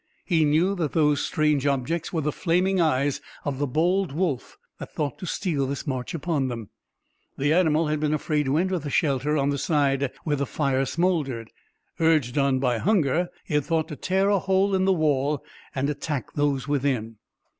He knew that those strange objects were the flaming eyes of the bold wolf that thought to steal this march upon them. The animal had been afraid to enter the shelter on the side where the fire smoldered. Urged on by hunger, he had thought to tear a hole in the wall and attack those within.